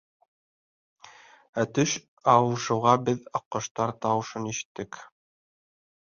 Ә төш ауышыуға беҙ аҡҡоштар тауышын ишеттек.